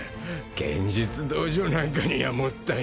剣術道場なんかにはもったいない。